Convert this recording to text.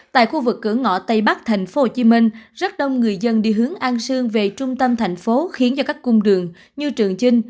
tại khu vực cửa ngõ tây bắc tp hcm rất đông người dân đi hướng an sương về trung tâm thành phố khiến cho các cung đường như trường chinh